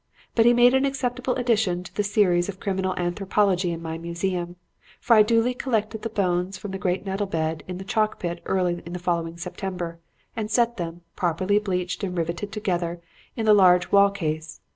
But he made an acceptable addition to the Series of Criminal Anthropology in my museum, for I duly collected the bones from the great nettle bed in the chalk pit early in the following September, and set them, properly bleached and riveted together, in the large wall case.